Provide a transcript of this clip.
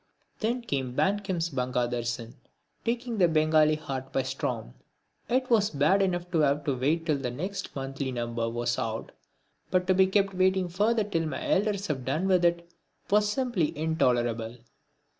Then came Bankim's Bangadarsan, taking the Bengali heart by storm. It was bad enough to have to wait till the next monthly number was out, but to be kept waiting further till my elders had done with it was simply intolerable!